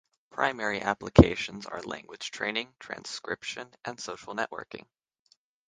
Primary applications are language training, transcription and social networking.